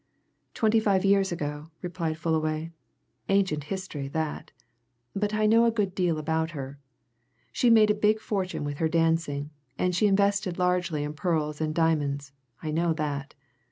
"Twenty five years ago," replied Fullaway. "Ancient history, that. But I know a good deal about her. She made a big fortune with her dancing, and she invested largely in pearls and diamonds I know that.